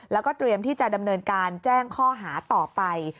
แล้วก็เตรียมที่จะดำเนินการแจ้งข้อหาต่อไป